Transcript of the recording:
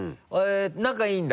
仲いいんだ？